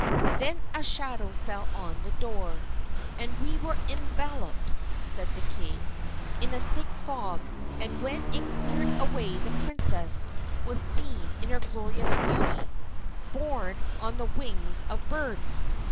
Then a shadow fell on the door, "and we were enveloped," said the king, "in a thick fog, and when it cleared away the princess was seen in her glorious beauty, borne on the wings of birds."